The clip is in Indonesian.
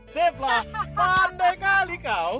safe lah pandai kali kau